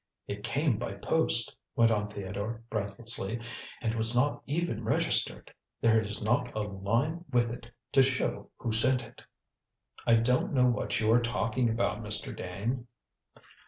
"It came by post," went on Theodore breathlessly, "and was not even registered. There is not a line with it to show who sent it." "I don't know what you are talking about, Mr. Dane."